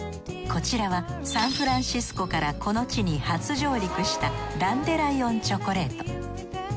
こちらはサンフランシスコからこの地に初上陸したダンデライオン・チョコレート。